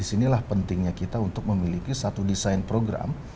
disinilah pentingnya kita untuk memiliki satu desain program